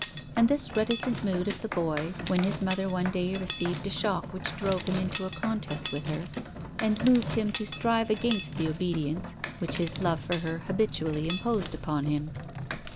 And this reticent mood of the boy when with his mother one day received a shock which drove him into a contest with her, and moved him to strive against the obedience which his love for her ha bitually imposed upon him.